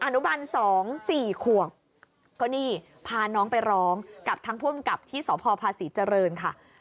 อนุบัน๒๔ขวบก็นี่พาน้องไปร้องกับทางผู้อำกับที่สพภาษีเจริญค่ะ